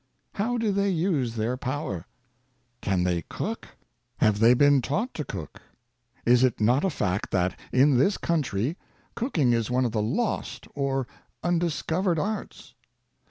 How do they use their power .^ Can they cook.^ Have they been taught to cook ? Is it not a fact that, in this country, cooking is one of the lost or undiscovered arts